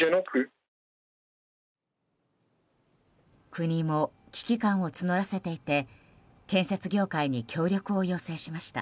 国も危機感を募らせていて建設業界に協力を要請しました。